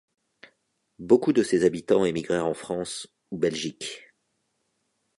Beaucoup de ses habitants émigrèrent en France ou Belgique.